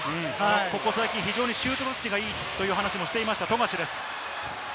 ここ最近、シュートタッチがいいという話もしていました富樫です。